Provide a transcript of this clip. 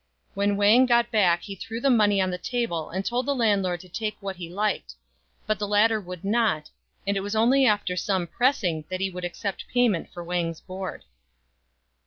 When Wang got back he threw the money on the table and told the landlord to take what he liked ; but the latter would not, and it was only after some pressing that he would accept payment for Wang's board.